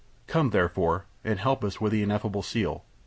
Come therefore and help us with the ineffable seal.